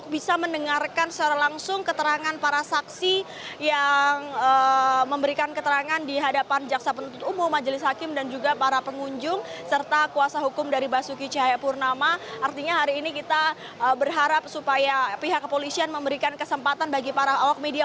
berharap supaya pihak kepolisian memberikan kesempatan bagi para awak media